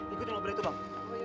ikut mobil itu bang